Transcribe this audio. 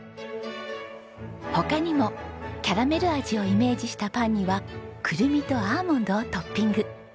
他にもキャラメル味をイメージしたパンにはクルミとアーモンドをトッピング。